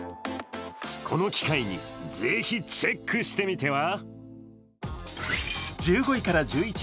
この機会にぜひチェックしてみては？